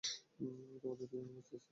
আমি তোমাদের দুজনকে বাঁচিয়েছি।